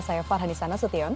saya farhana sution